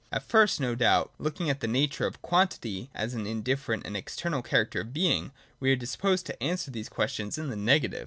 At first, no doubt, looking at the nature of quantity as an indifferent and external character of Being, we are dis posed to answer these questions in the negative.